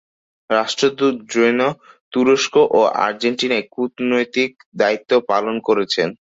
রাষ্ট্রদূত জৈন তুরস্ক ও আর্জেন্টিনায় কূটনৈতিক দায়িত্ব পালন করেছেন।